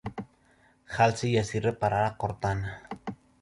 Halsey y así reparar a Cortana.